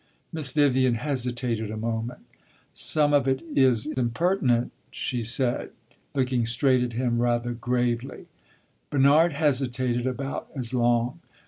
Miss Vivian hesitated a moment. "Some of it is impertinent," she said, looking straight at him, rather gravely. Bernard hesitated about as long.